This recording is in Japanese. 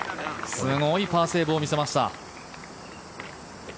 すごいパーセーブを見せました。